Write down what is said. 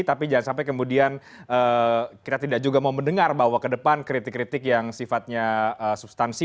tapi jangan sampai kemudian kita tidak juga mau mendengar bahwa ke depan kritik kritik yang sifatnya substansi